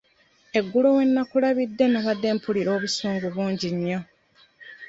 Eggulo we nnakulabidde nabadde mpulira obusungu bungi nnyo.